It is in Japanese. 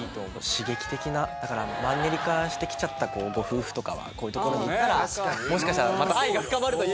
刺激的なだからマンネリ化してきちゃったご夫婦とかはこういう所に行ったらもしかしたらまた。